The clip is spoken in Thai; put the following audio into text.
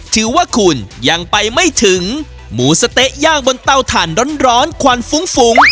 ถือว่าคุณยังไปไม่ถึงหมูสะเต๊ะย่างบนเตาถ่านร้อนควันฟุ้งฟุ้ง